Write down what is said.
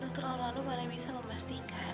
dokter lalu lalu mana bisa memastikan